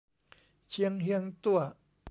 เชียงเฮียงตั้ว